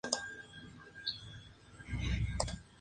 En muchas ocasiones está en menor proporción al solvente.